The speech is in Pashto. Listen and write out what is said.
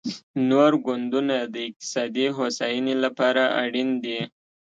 نور ګوندونه د اقتصادي هوساینې لپاره اړین دي